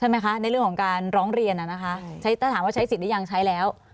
ใช่ไหมคะในเรื่องของการร้องเรียนน่ะนะคะใช้ถ้าถามว่าใช้สิทธิ์ได้ยังใช้แล้ว